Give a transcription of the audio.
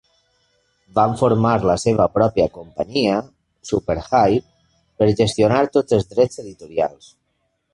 Van formar la seva pròpia companyia, Superhype, per gestionar tots els drets editorials.